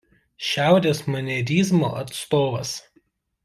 Šiaurės manierizmo atstovas.